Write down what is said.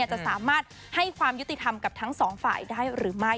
จะสามารถให้ความยุติธรรมกับทั้งสองฝ่ายได้หรือไม่